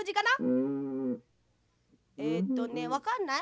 えっとねわかんない？